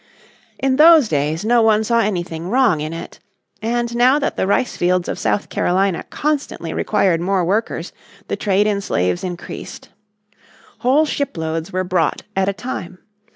In those days no one saw anything wrong in it. And now that the rice fields of South Carolina constantly required more workers the trade in slaves increased. Whole shiploads were brought at a time.